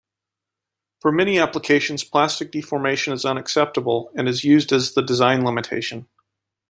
For many applications, plastic deformation is unacceptable, and is used as the design limitation.